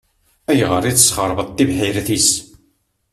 Ayɣer i tesxeṛbeḍ tibḥirt-is?